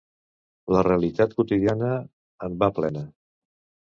La realitat quotidiana en va plena.